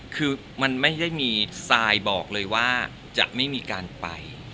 คือมันไม่ได้มีทรายบอกเลยว่าจะไม่มีการไป